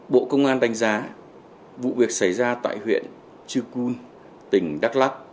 bộ công an đánh giá vụ việc xảy ra tại huyện chư pun tỉnh đắk lắc